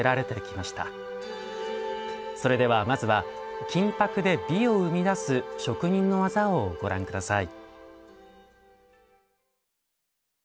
それではまずは金箔で美を生み出す職人の技をご覧下さい。